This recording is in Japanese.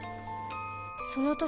その時